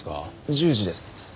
１０時です。